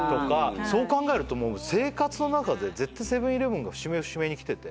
そう考えると生活の中で絶対セブン―イレブンが節目節目にきてて。